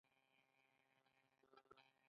سخت باران ورېده، د سهار درې بجې به وې.